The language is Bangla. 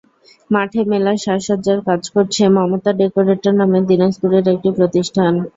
মাঠে মেলার সাজসজ্জার কাজ করছে মমতা ডেকোরেটর নামের দিনাজপুরের একটি প্রতিষ্ঠান।